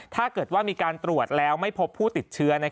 ถ้าเกิดว่ามีการตรวจแล้วไม่พบผู้ติดเชื้อ